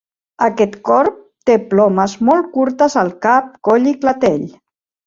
Aquest corb te plomes molt curtes al cap, coll i clatell.